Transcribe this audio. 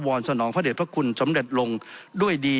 วรษนองพระเด็ดพระคุณจำเด็ดลงด้วยดี